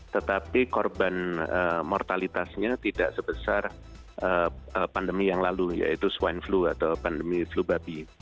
tetapi korban mortalitasnya tidak sebesar pandemi yang lalu yaitu swine flu atau pandemi flu babi